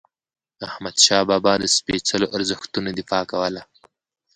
احمدشاه بابا د سپيڅلو ارزښتونو دفاع کوله.